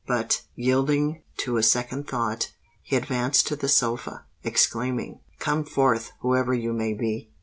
But, yielding to a second thought, he advanced to the sofa, exclaiming, "Come forth—whoever you may be."